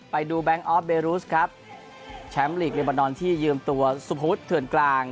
แบงค์ออฟเบรุสครับแชมป์ลีกเลบอนอนที่ยืมตัวสุภวุฒิเถื่อนกลาง